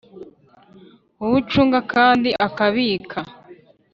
Uw ucunga kandi akabika